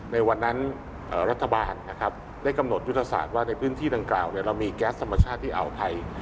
ในวันนั้นรัฐบาลนะครับได้กำหนดยุทธศาสตร์ว่าในพื้นที่ดังกล่าวเรามีแก๊สธรรมชาติที่อ่าวไทย